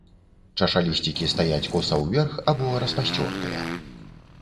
Чашалісцікі стаяць коса ўверх або распасцёртыя.